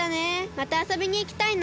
またあそびにいきたいな。